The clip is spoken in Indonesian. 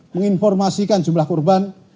menginformasikan jumlah kurban